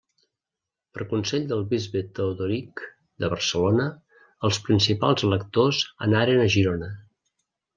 Per consell del bisbe Teodoric de Barcelona, els principals electors anaren a Girona.